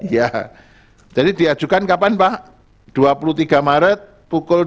ya jadi diajukan kapan pak dua puluh tiga maret pukul dua puluh